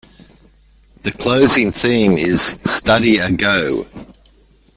The closing theme is "Study A Go!